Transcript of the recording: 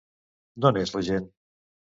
D'on és la gent?